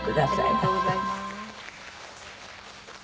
ありがとうございます。